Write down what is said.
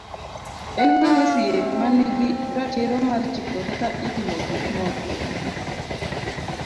en ng'ano sie ma nigi ratiro mar chiko kaka itimo gik moko